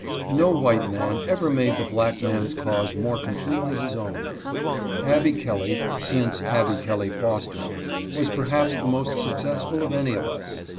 No white man ever made the black man's cause more completely his own. Abby Kel ley, since Abby Kelley Foster, was perhaps the most suc cessful of any of us.